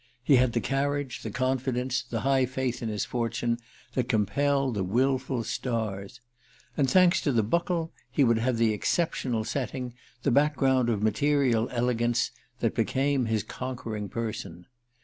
He had the carriage, the confidence, the high faith in his fortune, that compel the wilful stars. And, thanks to the Buckle, he would have the exceptional setting, the background of material elegance, that became his conquering person.